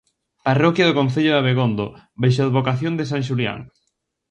Parroquia do concello de Abegondo baixo a advocación de san Xulián.